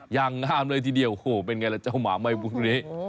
อย่างงามเลยทีเดียวโอ้โหเป็นไงล่ะเจ้าหมาไหมพวกนี้